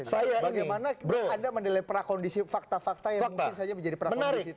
saya bagaimana anda menilai prakondisi fakta fakta yang mungkin saja menjadi prakondisi